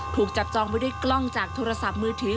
ถูกจับจองไปด้วยกล้องจากโทรศัพท์มือถือ